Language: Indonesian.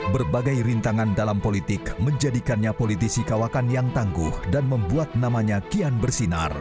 berbagai rintangan dalam politik menjadikannya politisi kawakan yang tangguh dan membuat namanya kian bersinar